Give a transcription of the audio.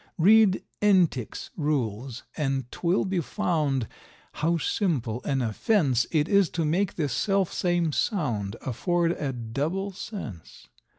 Read Entick's rules, and 'twill be found, how simple an offence It is to make the self same sound afford a double sense.